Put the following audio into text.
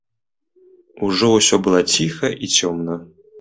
Ужо ўсё было ціха і цёмна.